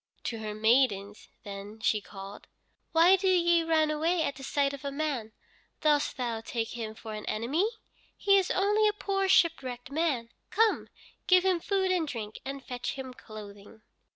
To her maidens then she called: "Why do ye run away at the sight of a man? Dost thou take him for an enemy? He is only a poor shipwrecked man. Come, give him food and drink, and fetch him clothing."